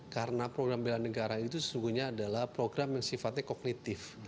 karena program bela negara itu sesungguhnya adalah program yang sifatnya kognitif